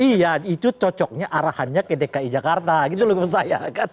iya itu cocoknya arahannya ke dki jakarta gitu loh menurut saya